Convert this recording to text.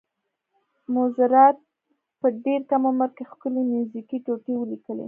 موزارټ په ډېر کم عمر کې ښکلې میوزیکي ټوټې ولیکلې.